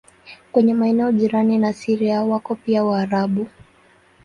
Kwenye maeneo jirani na Syria wako pia Waarabu.